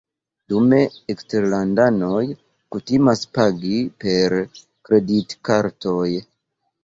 Dume eksterlandanoj kutimas pagi per kreditkartoj.